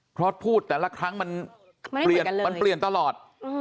เพราะพูดแต่ละครั้งมันเปลี่ยนตลอด